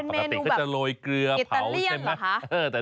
ปะกระติกเค้าจะลงเกลือเผาเป็นแม่นองแบบไอตาเลี่ยนเหรอคะ